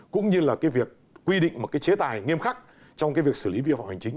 cũng như là quy định một chế tài nghiêm khắc trong việc xử lý vi phạm hành chính